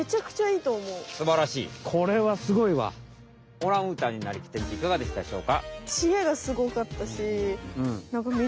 オランウータンになりきってみていかがでしたでしょうか？